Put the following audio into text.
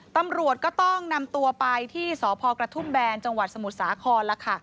ตำรวจก็ต้องนำตัวไปที่สพกระทุ่มแบนจังหวัดสมุทรสาครแล้วค่ะ